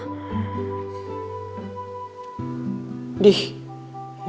gak ada bedanya